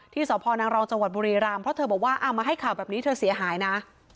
สพนางรองจังหวัดบุรีรำเพราะเธอบอกว่าเอามาให้ข่าวแบบนี้เธอเสียหายนะ